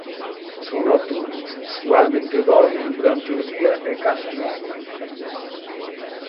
Son nocturnos; usualmente dormen durante o día e cazan á noite.